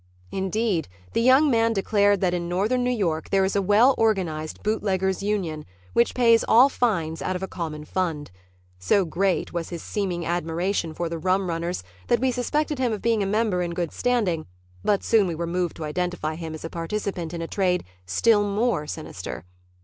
Indeed, the young man declared that in Northern New York there is a well organized Bootleggers' Union, which pays all fines out of a common fund. So great was his seeming admiration for the rum runners that we suspected him of being himself a member in good standing, but soon we were moved to identify him as a participant in a trade still more sinister.